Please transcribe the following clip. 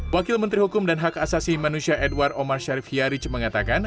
wakil menteri hukum dan hak asasi manusia edward omar syarif hiaric mengatakan